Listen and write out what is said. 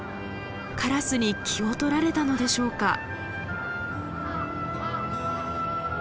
カラスに気をとられたのでしょうか。